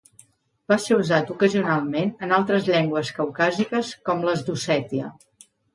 Va ser usat ocasionalment en altres llengües caucàsiques com les d'Ossètia.